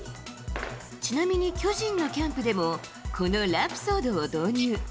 ちなみに巨人のキャンプでも、このラプソードを導入。